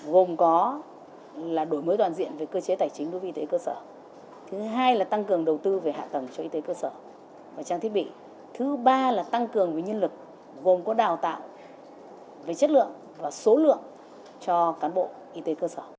với chất lượng và số lượng cho cán bộ y tế cơ sở